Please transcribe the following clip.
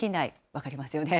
分かりますよね。